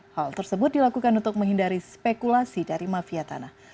hal tersebut dilakukan untuk menghindari spekulasi dari mafia tanah